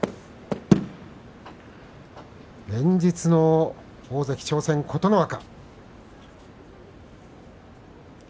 連日の大関挑戦、琴ノ若。